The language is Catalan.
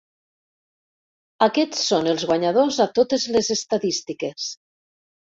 Aquests són els guanyadors a totes les estadístiques.